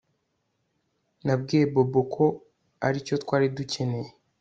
Nabwiye Bobo ko aricyo twari dukeneye